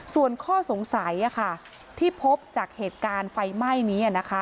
ส่วนข้อสงสัยที่พบจากเหตุการณ์ไฟไหม้นี้